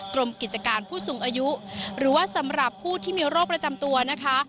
กรมกิจการผู้สูงอายุหรือว่าสำหรับผู้ที่มีโรคประจำตัวนะคะ